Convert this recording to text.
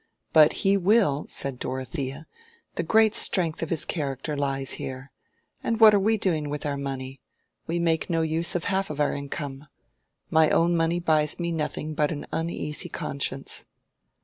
"But he will!" said Dorothea. "The great strength of his character lies here. And what are we doing with our money? We make no use of half of our income. My own money buys me nothing but an uneasy conscience."